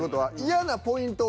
嫌なポイント。